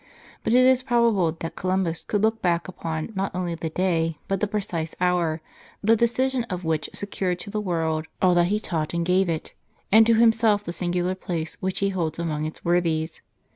But it is probable that Columbus could look back upon not only the day, but the precise hour, the decision of which secured to the world all that he taught and gave it, and to himself the singular place which he holds among its worthies.